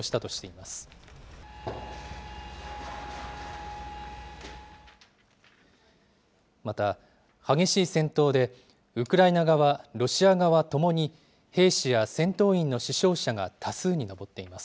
また、激しい戦闘で、ウクライナ側、ロシア側ともに兵士や戦闘員の死傷者が多数に上っています。